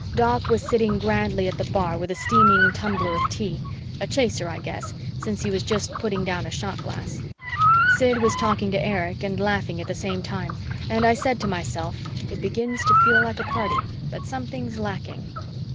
Doc was sitting grandly at the bar with a steaming tumbler of tea a chaser, I guess, since he was just putting down a shot glass. Sid was talking to Erich and laughing at the same time and I said to myself it begins to feel like a party, but something's lacking.